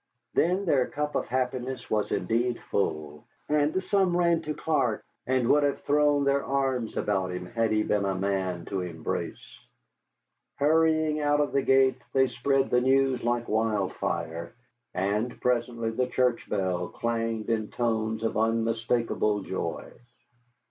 Then their cup of happiness was indeed full, and some ran to Clark and would have thrown their arms about him had he been a man to embrace. Hurrying out of the gate, they spread the news like wildfire, and presently the church bell clanged in tones of unmistakable joy.